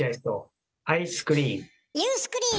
ユースクリーム！